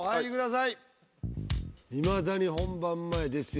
いまだに本番前ですよ。